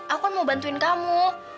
aku mau bantuin kamu